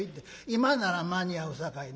今なら間に合うさかいな。